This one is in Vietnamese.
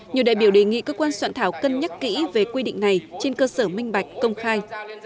nhiều đại biểu đề nghị cơ quan soạn thảo cân nhắc kỹ về quy định này trên cơ sở minh bạch công khai